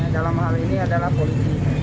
dalam hal ini adalah polisi